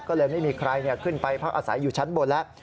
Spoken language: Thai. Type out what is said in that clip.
ก็เลยไม่มีใครขึ้นไปพักอาศัยอยู่ชั้นบนแล้ว